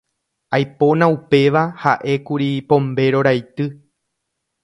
Aipóna upéva ha'ékuri Pombéro raity.